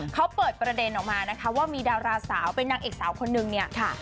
เขาเปิดประเด็นออกมานะคะว่ามีดาราสาวเป็นนางเอกสาวคนนึงเนี่ยค่ะ